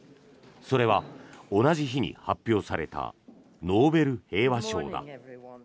それは同じ日に発表されたノーベル平和賞だ。